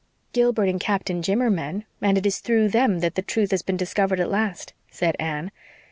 "Gilbert and Captain Jim are men, and it is through them that the truth has been discovered at last," said Anne.